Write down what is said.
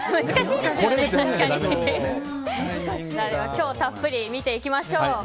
今日たっぷり見ていきましょう。